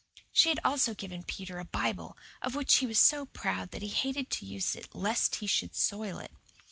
She had also given Peter a Bible, of which he was so proud that he hated to use it lest he should soil it.